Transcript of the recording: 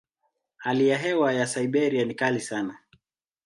Hali ya hewa ya Siberia ni kali sana.